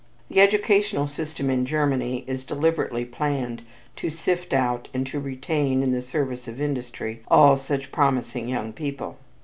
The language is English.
The educational system in Germany is deliberately planned to sift out and to retain in the service of industry, all such promising young people.